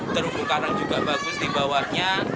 terumbu karang juga bagus di bawahnya